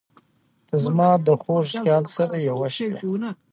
• ته زما د خوږ خیال سره یوه شوې.